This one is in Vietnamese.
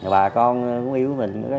bà con cũng yêu mình